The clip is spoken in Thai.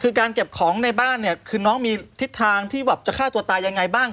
คือการเก็บของในบ้านเนี่ยคือน้องมีทิศทางที่แบบจะฆ่าตัวตายยังไงบ้าง